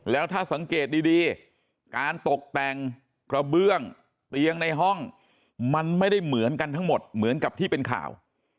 แล้วถ้าสังเกตดีการตกแต่งกระเบื้องเตียงในห้องมันไม่ได้เหมือนกันทั้งหมดเหมือนกับที่เป็นข่าว